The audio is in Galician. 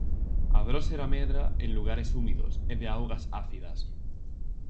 A drósera medra en lugares húmidos e de augas ácidas.